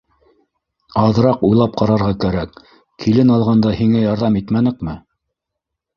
Аҙыраҡ уйлап ҡарарға кәрәк, килен алғанда һиңә ярҙам итмәнекме?